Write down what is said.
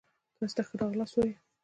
تاسي ته ښه را غلاست وايو